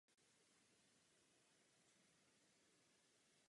Unáhlila jste se, když jste prohlásila, že byl odmítnut.